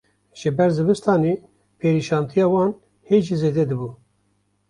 Ji ber zivistanê perîşantiya wan hê jî zêde dibû